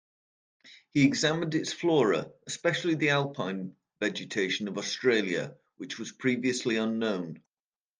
He examined its flora, especially the Alpine vegetation of Australia, which was previously unknown.